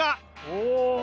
お！